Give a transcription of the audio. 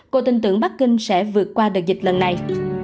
cô tin tưởng bắc kinh sẽ vượt qua đợt dịch lần này